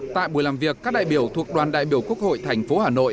tại buổi làm việc các đại biểu thuộc đoàn đại biểu quốc hội thành phố hà nội